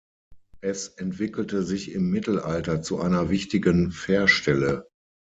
Es entwickelte sich im Mittelalter zu einer wichtigen Fährstelle.